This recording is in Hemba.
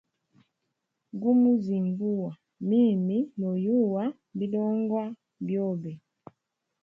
Gumu zinguwa, mimi noyuwa bilongwa byobe.